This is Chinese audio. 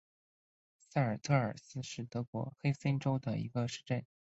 塞尔特尔斯是德国黑森州的一个市镇。